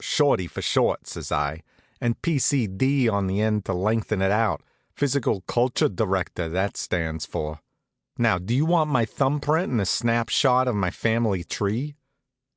"Shorty for short," says I, "and P. C. D. on the end to lengthen it out Physical Culture Director, that stands for. Now do you want my thumb print, and a snap shot of my family tree?"